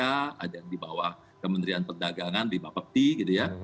ada yang di bawah kementerian perdagangan bipappt gitu ya